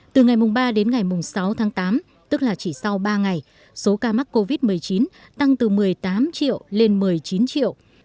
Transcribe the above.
từ ngày ba đến ngày sáu tháng tám tức là chỉ sau ba ngày số ca mắc covid một mươi chín tăng từ một mươi tám triệu lên một mươi chín triệu